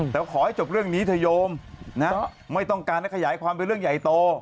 แต่ขอให้จบเรื่องนี้เถยมนะไม่ต้องการให้ขยายความเป็นเรื่องใหญ่โต